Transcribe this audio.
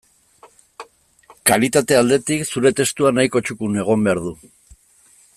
Kalitate aldetik, zure testua nahikoa txukun egon behar du.